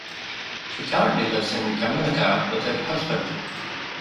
She currently lives in Yamunanagar with her husband.